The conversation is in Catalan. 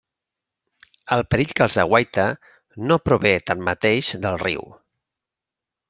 El perill que els aguaita no prové tanmateix del riu.